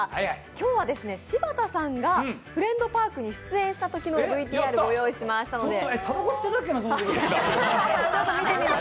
今日は柴田さんが「フレンドパーク」に出演したときのＶＴＲをご用意しましたので。